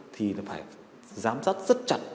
thì nó phải giám sát rất chặt